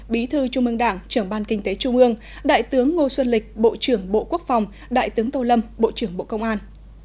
bí thư trung ương đảng trưởng ban kinh tế trung ương đại tướng ngô xuân lịch bộ trưởng bộ quốc phòng đại tướng tô lâm bộ trưởng bộ công an